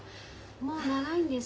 「もう長いんです」